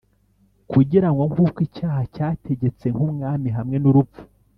Kugira ngo, nk’uko icyaha cyategetse nk’umwami hamwe n’urupfu